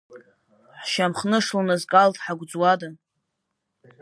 Ҳшьамхнышланы зкалҭ ҳагәӡуада?